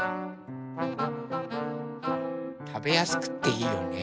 たべやすくていいよね。